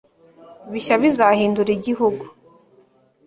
bishya bizahindura igihugu